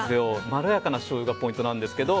まろやかなしょうゆがポイントなんですけど。